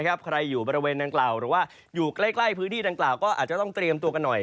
ใครอยู่บริเวณดังกล่าวหรือว่าอยู่ใกล้พื้นที่ดังกล่าวก็อาจจะต้องเตรียมตัวกันหน่อย